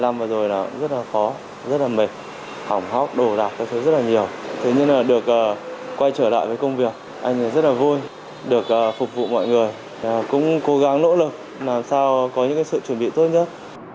anh rất vui được quay trở lại với công việc anh rất vui được phục vụ mọi người cũng cố gắng nỗ lực làm sao có những sự chuẩn bị tốt nhất